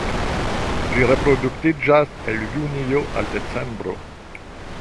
Ĝi reproduktiĝas el junio al decembro.